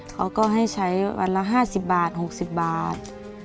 เขาก็ให้ใช้วันละ๕๐บาท๖๐บาท